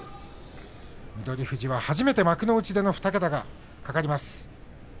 翠富士は初めて幕内での２桁が懸かります。